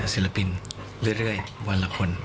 ศิลปินเรื่อยวันละคน